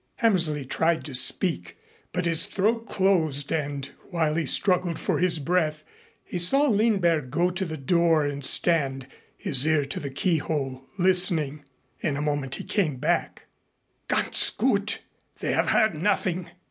Hammersley tried to speak, but his throat closed, and while he struggled for his breath, he saw Lindberg go to the door and stand, his ear to the keyhole, listening. In a moment he came back. "Ganz gut! They have heard nothing."